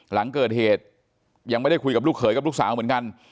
หลังเกิดเหตุยังไม่ได้คุยกับลูกเขยกับลูกสาวเหมือนกัน